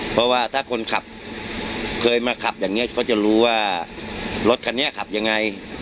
เพราะว่าถ้าคนขับเคยมาขับอย่างนี้เขาจะรู้ว่ารถคันนี้ขับยังไง